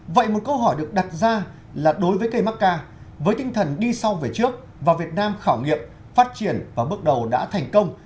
vậy một câu hỏi được đặt ra là đối với cây macca với tinh thần đi sau về trước và việt nam khảo nghiệm phát triển và bước đầu đã thành công